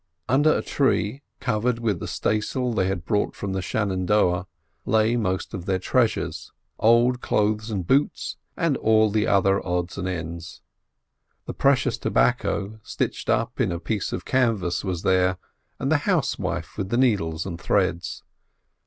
Under a tree, covered with the stay sail they had brought from the Shenandoah, lay most of their treasures: old clothes and boots, and all the other odds and ends. The precious tobacco stitched up in a piece of canvas was there, and the housewife with the needles and threads.